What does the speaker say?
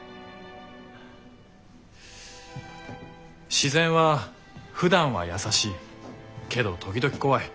自然はふだんは優しいけど時々怖い。